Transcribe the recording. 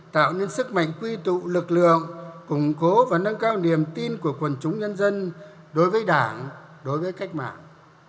tạo nên sức mạnh quy tụ lực lượng củng cố và nâng cao niềm tin của quần chúng nhân dân đối với đảng đối với cách mạng